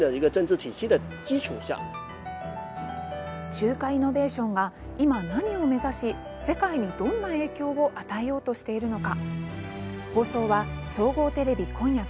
中華イノベーションが今、何を目指し、世界にどんな影響を与えようとしているのか。